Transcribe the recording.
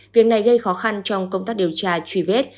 việc này gây khó khăn trong công tác điều tra truy vết